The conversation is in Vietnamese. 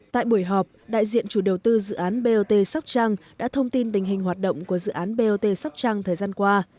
tại buổi họp đại diện chủ đầu tư dự án bot sóc trăng đã thông tin tình hình hoạt động của dự án bot sóc trăng thời gian qua